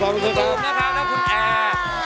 ขอบคุณคุณครับแล้วคุณแอร์